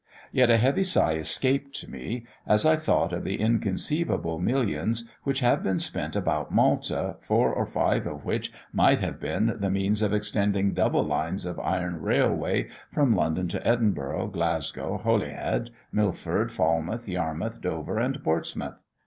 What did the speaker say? Yet a heavy sigh escaped me, as I thought of the inconceivable millions which have been spent about Malta, four or five of which might have been the means of extending double lines of iron railway from London to Edinburgh, Glasgow, Holyhead, Milford, Falmouth, Yarmouth, Dover, and Portsmouth!